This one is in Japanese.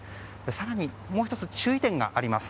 更に、もう１つ注意点があります。